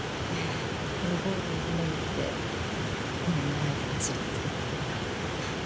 このゴールを夢みて５年前から走り続けていたので。